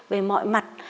về mọi mặt